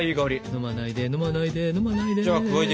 飲まないで飲まないで飲まないで。